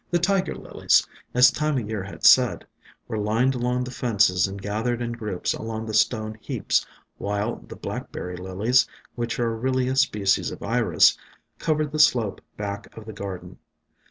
The Tiger Lilies, as Time o' Year had said, were lined along the fences and gathered in groups among the stone heaps, while the Blackberry Lilies, which are really a species of Iris, covered the slope back of the garden.